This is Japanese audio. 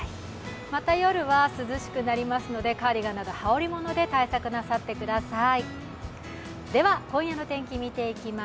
また夜は涼しくなりますので、カーディガンなど羽織り物で対策なさってください。